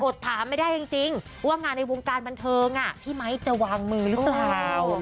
ถามไม่ได้จริงว่างานในวงการบันเทิงพี่ไมค์จะวางมือหรือเปล่า